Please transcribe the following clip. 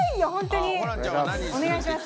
お願いします。